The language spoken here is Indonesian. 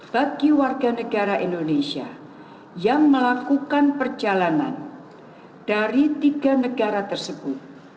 bagi warga negara indonesia yang melakukan perjalanan dari tiga negara tersebut